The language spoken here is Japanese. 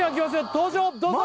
登場どうぞ！